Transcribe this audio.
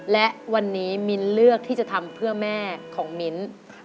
และวันนี้มิ้นเลือกที่จะทำเพื่อแม่ของมิ้น